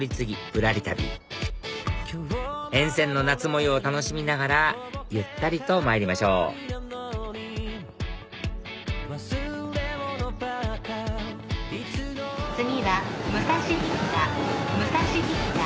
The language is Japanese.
ぶらり旅沿線の夏模様を楽しみながらゆったりとまいりましょう次は武蔵引田武蔵引田。